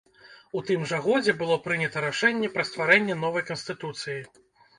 У тым жа годзе было прынята рашэнне пра стварэнне новай канстытуцыі.